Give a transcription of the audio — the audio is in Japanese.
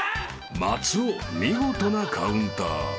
［松尾見事なカウンター］